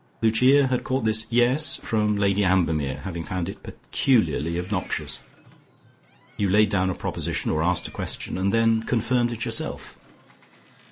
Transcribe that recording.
Lucia had caught this "Yes" from Lady Ambermere, having found it peculiarly obnoxious. You laid down a proposition, or asked a question, and then confirmed it yourself.